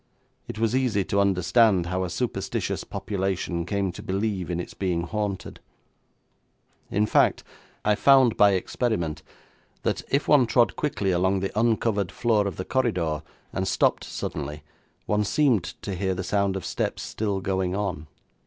It was easy to understand how a superstitious population came to believe in its being haunted; in fact, I found by experiment that if one trod quickly along the uncovered floor of the corridor, and stopped suddenly, one seemed to hear the sound of steps still going on.